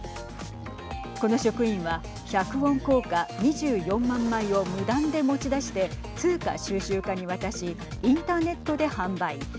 この職員は１００ウォン硬貨２４万枚を無断で持ち出して通貨収集家に渡しインターネットで販売。